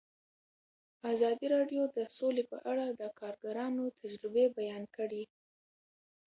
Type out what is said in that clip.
ازادي راډیو د سوله په اړه د کارګرانو تجربې بیان کړي.